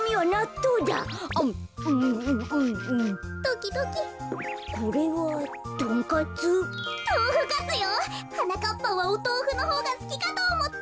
とうふカツよ！はなかっぱんはおとうふのほうがすきかとおもって！